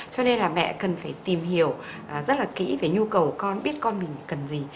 cho nên là mẹ cần phải tìm hiểu rất là kỹ về nhu cầu con biết con mình cần gì